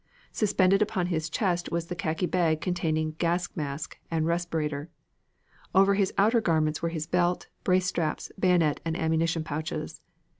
Suspended upon his chest was the khaki bag containing gas mask and respirator. Over his outer garments were his belt, brace straps, bayonet and ammunition pouches.